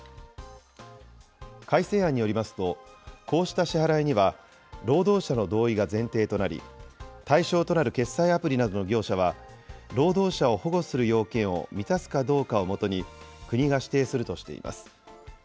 改正案によりますと、こうした支払いには、労働者の同意が前提となり、対象となる決済アプリなどの業者は、労働者を保護する要件を満たすかどうかをもとに国が指定するとしています。